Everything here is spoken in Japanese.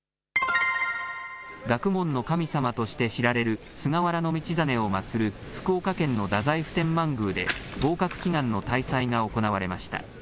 学問の神様として知られる、菅原道真を祭る福岡県の太宰府天満宮で、合格祈願の大祭が行われました。